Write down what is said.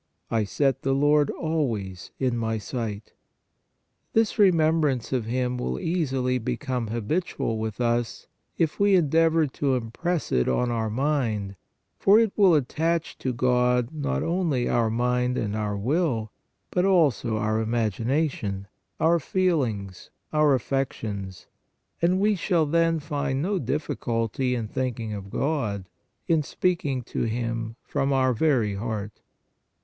" I set the Lord always in my sight." This remembrance of Him will easily become habitual with us, if we endeavor to impress it on our mind, for it will attach to God not only our mind and our will, but also our imagination, our feelings, our affections, and we shall then find no difficulty in thinking of God, in speaking to Him from our very heart.